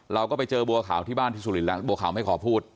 เราก็ไปเจอบัวขาวที่บ้านที่สุรินทร์บัวขาวไม่ขอพูด